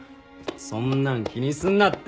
そんなん気にすんなって！